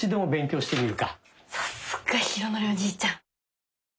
さすが浩徳おじいちゃん！